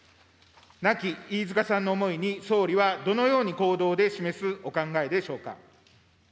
亡き飯塚さんの思いに総理は、どのように行動で示すお考えでしょうか。